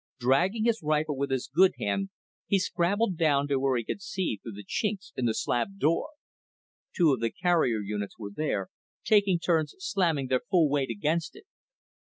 Dragging his rifle with his good hand, he scrabbled down to where he could see through the chinks in the slab door. Two of the carrier units were there, taking turns slamming their full weight against it.